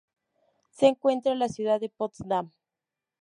Se encuentra en la ciudad de Potsdam.